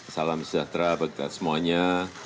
salam sejahtera bagi kita semuanya